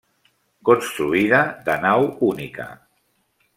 Construïda de nau única.